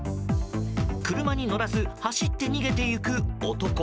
車に乗らず走って逃げていく男。